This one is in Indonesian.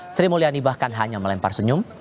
sri mulyani bahkan hanya melempar senyum